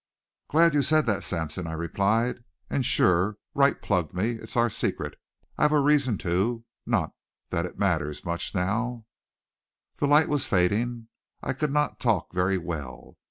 "Glad you said that, Sampson," I replied. "And sure Wright plugged me. It's our secret. I've a reason, too, not that it matters much now." The light was fading. I could not talk very well.